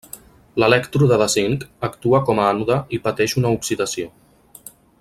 L'elèctrode de zinc actua com ànode i pateix una oxidació.